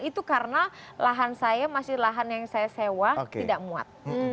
itu karena lahan saya masih lahan yang saya sewa tidak muat